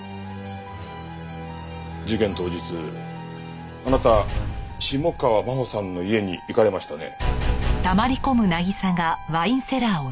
事件当日あなた下川真帆さんの家に行かれましたね？